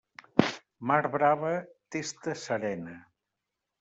Mar brava, testa serena.